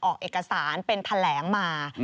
ออกเอกสารเป็นแถลงมา